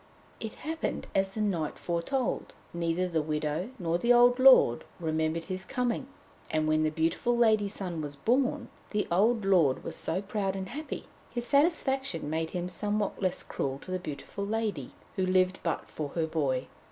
It happened as the knight foretold. Neither the widow nor the old lord remembered his coming, and when the beautiful lady's son was born, the old lord was proud and happy. His satisfaction made him somewhat less cruel to the beautiful lady, who lived but for her boy.